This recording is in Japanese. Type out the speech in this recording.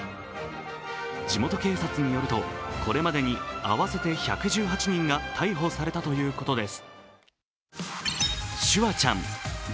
地元警察によると、これまでに合わせて１１８人が逮捕されたということです